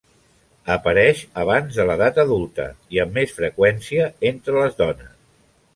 Apareix abans de l'edat adulta, i amb més freqüència entre les dones.